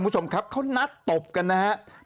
คุณผู้ชมครับเขานัดตบกันนะครับ